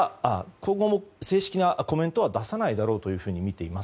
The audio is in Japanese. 今後も正式なコメントは出さないだろうとみています。